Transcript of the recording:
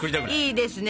いいですね！